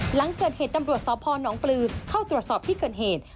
หลังเกิดเหตุตำรวจสพนปลือเข้าตรวจสอบที่เกิดเหตุ